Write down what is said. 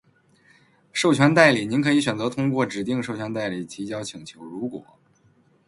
授权代理。您可以选择通过指定授权代理提交请求，如果：